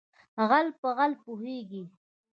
ـ غل په غل پوهېږي.